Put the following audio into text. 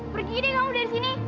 pergi deh kamu dari sini